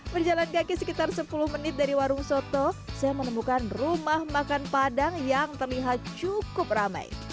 berjalan kaki sekitar sepuluh menit dari warung soto saya menemukan rumah makan padang yang terlihat cukup ramai